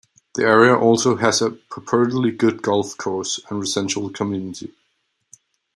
The area also has a purportedly good golf course and residential community.